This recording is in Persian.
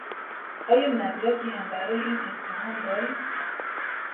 آیا مدرکی هم برای این اتهام دارید؟